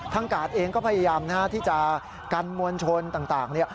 กาดเองก็พยายามที่จะกันมวลชนต่าง